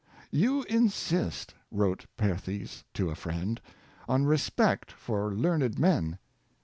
" You insist," wrote Perthes to a friend, *' on respect for learned men.